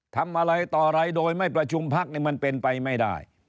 ทำอะไรต่ออะไรโดยไม่ประชุมพักมันเป็นไปไม่ได้